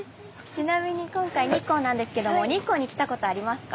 ちなみに今回日光なんですけども日光に来たことありますか？